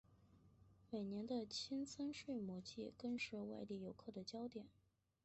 每年的青森睡魔祭更是外地游客的焦点。